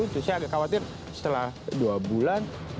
saya agak khawatir setelah dua bulan